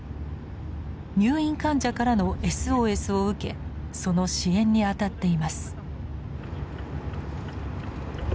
入院患者からのＳＯＳを受けその支援にあたっています。